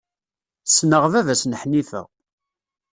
Ssneɣ baba-s n Ḥnifa.